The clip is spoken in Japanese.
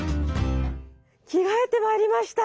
着替えてまいりました。